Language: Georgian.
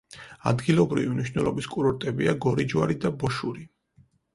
ადგილობრივი მნიშვნელობის კურორტებია გორიჯვარი და ბოშური.